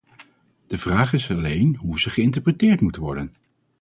De vraag is alleen hoe ze geïnterpreteerd moeten worden.